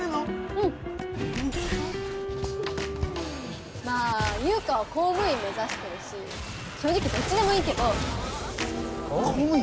うんまぁ優佳は公務員目指してるし正直どっちでもいいけど公務員？